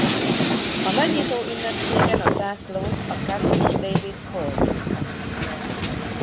A megnyitó ünnepségen a zászlót a kenus David Cal vitte.